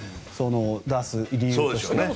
出す理由としてね。